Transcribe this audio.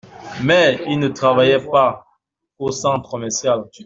Mais il ne travaillait pas qu’au centre commercial.